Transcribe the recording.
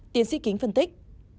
tiến sĩ kính phân tích